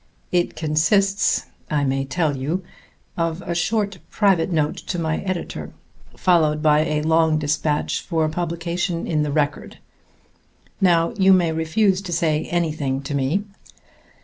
It consists, I may tell you, of a short private note to my editor, followed by a long despatch for publication in the Record. Now you may refuse to say anything to me.